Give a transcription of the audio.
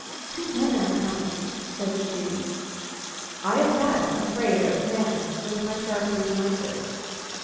"Two men are coming," said she. "I am not afraid of men," was my sharp rejoinder.